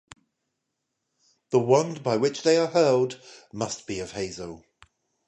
The wand by which they are hurled must be of hazel.